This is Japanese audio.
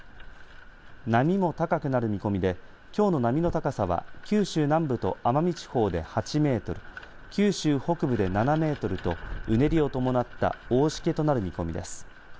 波も高くなる見込みできょうの波の高さは九州南部と奄美地方で８メートル、九州北部で７メートルとうねりを伴った大しけとなる見込みです。